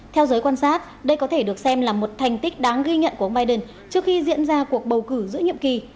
theo giới quan sát đây có thể được xem là một thành tích đáng ghi nhận của ông biden trước khi diễn ra cuộc bầu cử giữa nhiệm kỳ